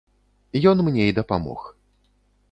Ён мне і дапамог.